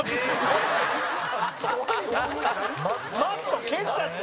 マット蹴っちゃって。